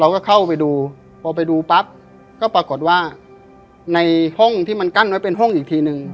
เข้าไปดูพอไปดูปั๊บก็ปรากฏว่าในห้องที่มันกั้นไว้เป็นห้องอีกทีนึง